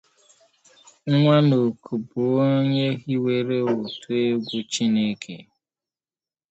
Nwanoku bu onye hiwere otu egwu Chineke!